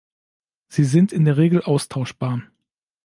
Sie sind in der Regel austauschbar.